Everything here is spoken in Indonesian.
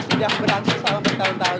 sudah berlangsung selama bertahun tahun